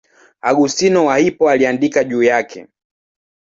Augustino wa Hippo aliandika juu yake.